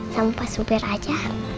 sama pak subir aja